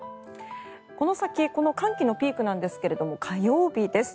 この先、寒気のピークなんですが火曜日です。